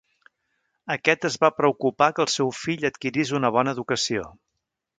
Aquest es va preocupar que el seu fill adquirís una bona educació.